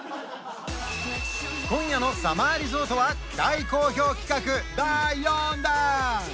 今夜の「さまぁリゾート」は大好評企画第４弾！